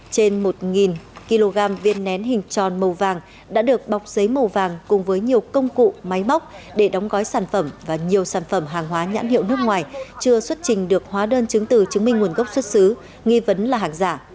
trên một kg viên nén hình tròn màu vàng đã được bọc giấy màu vàng cùng với nhiều công cụ máy móc để đóng gói sản phẩm và nhiều sản phẩm hàng hóa nhãn hiệu nước ngoài chưa xuất trình được hóa đơn chứng từ chứng minh nguồn gốc xuất xứ nghi vấn là hàng giả